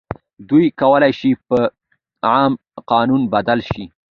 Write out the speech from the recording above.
دوی کولای شي په عام قانون بدل شي.